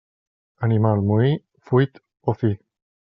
Animal moí, fuit o fi.